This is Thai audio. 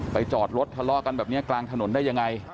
จอดรถทะเลาะกันแบบนี้กลางถนนได้ยังไง